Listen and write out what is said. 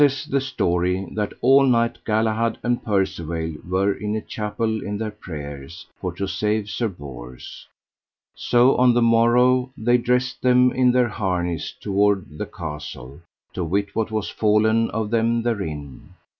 Now saith the story that all night Galahad and Percivale were in a chapel in their prayers, for to save Sir Bors. So on the morrow they dressed them in their harness toward the castle, to wit what was fallen of them therein.